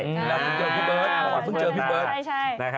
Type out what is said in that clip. พี่เพิร์กเพราะพึ่งเจอพี่เปิรธ